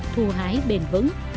thu hái bền vững